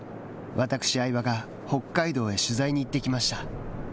私、相葉が北海道へ取材に行ってきました。